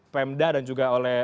pemda dan juga oleh